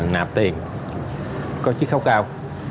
nạp tiền có chiếc kháu cao